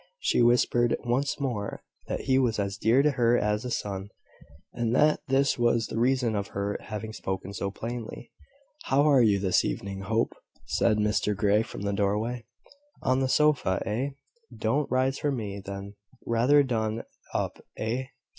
She whispered once more, that he was as dear to her as a son, and that this was the reason of her having spoken so plainly. "How are you this evening, Hope?" said Mr Grey, from the doorway. "On the sofa, eh? don't rise for me, then. Rather done up, eh?